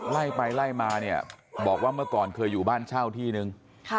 ไล่ไปไล่มาเนี่ยบอกว่าเมื่อก่อนเคยอยู่บ้านเช่าที่นึง